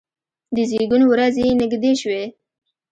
د زیږون ورځې یې نږدې شوې.